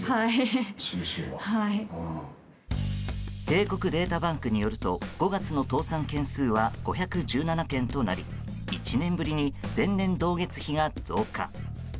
帝国データバンクによると５月の倒産件数は５１７件となり１年ぶりに前年同月比が増加。